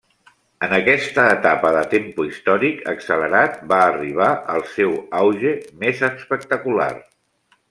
En aquesta etapa de tempo històric accelerat va arribar el seu auge més espectacular.